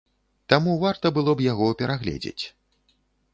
Таму варта было б яго перагледзець.